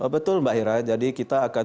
betul mbak hera jadi kita akan